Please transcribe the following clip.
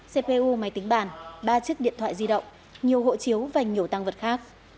cpu máy tính bàn ba chiếc điện thoại di động nhiều hộ chiếu và nhiều tăng vật khác